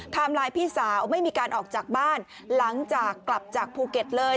ไลน์พี่สาวไม่มีการออกจากบ้านหลังจากกลับจากภูเก็ตเลย